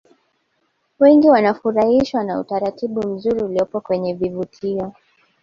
wengi wanafurahishwa na utaratibu mzuri uliopo kwenye vivutio